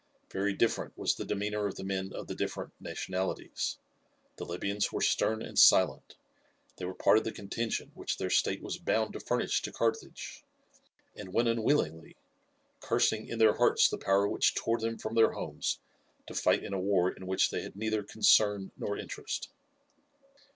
Very different was the demeanour of the men of the different nationalities. The Libyans were stern and silent, they were part of the contingent which their state was bound to furnish to Carthage, and went unwillingly, cursing in their hearts the power which tore them from their homes to fight in a war in which they had neither concern nor interest.